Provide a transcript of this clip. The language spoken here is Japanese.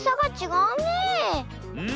うん。